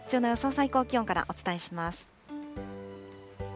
最高気温からお伝えします。